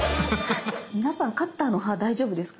皆さんカッターの刃大丈夫ですか？